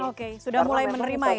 oke sudah mulai menerima ya